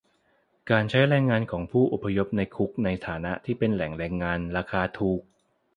การใช้แรงงานของผู้อพยพในคุกในฐานะที่เป็นแหล่งแรงงานราคาถูก